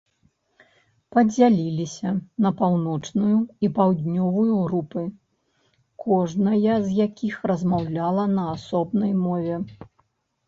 Падзяляліся на паўночную і паўднёвую групы, кожная з якіх размаўляла на асобнай мове.